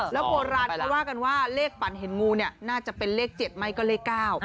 แล้วโบราณเขาว่ากันว่าเลขปั่นเห็นงูเนี่ยน่าจะเป็นเลข๗ไหมก็เลข๙